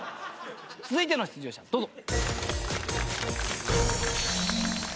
続いての出場者どうぞ。